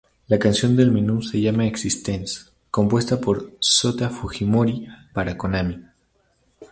La canción del Menú se llama Existence, compuesta por Sota Fujimori para Konami.